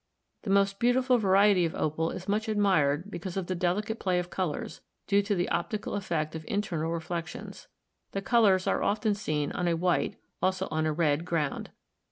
The most beautiful variety of opal is much admired because of the delicate play of colors, due to the optical effect of internal reflec tions; the colors are often seen on a white, also on a red, ground.